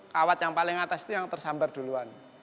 kawat yang paling atas itu yang tersambar duluan